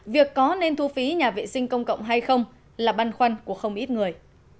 việc có nên thu phí nhà vệ sinh công cộng hay không là băn khoăn của không ít người